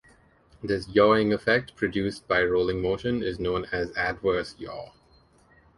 This yawing effect produced by rolling motion is known as adverse yaw.